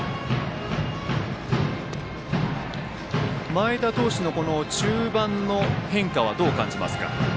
前田投手の中盤の変化はどう感じますか？